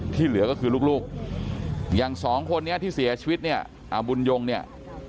เหลือก็คือลูกอย่างสองคนนี้ที่เสียชีวิตเนี่ยบุญยงเนี่ย